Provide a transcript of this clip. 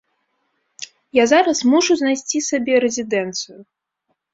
Я зараз мушу знайсці сабе рэзідэнцыю.